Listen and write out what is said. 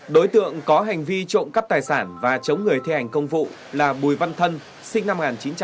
đối tượng có hành vi trộm cắp tài sản và chống người thê hành công vụ là bùi văn thân sinh năm một nghìn chín trăm chín mươi một